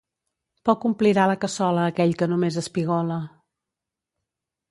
Poc omplirà la cassola aquell que només espigola.